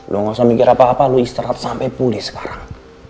lo gausah mikir apa apa lo istirahat sampe pulih sekarang